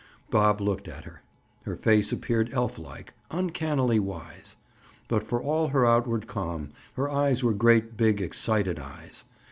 Bob looked at her. Her face appeared elf like, uncannily wise. But for all her outward calm, her eyes were great big, excited eyes.